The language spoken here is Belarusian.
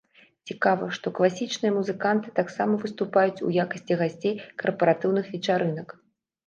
Цікава, што класічныя музыканты таксама выступаюць у якасці гасцей карпаратыўных вечарынак.